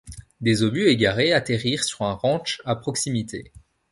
Des obus égarés atterrirent sur un ranch à proximité.